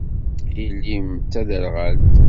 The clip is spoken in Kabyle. Yelli-m d taderɣalt?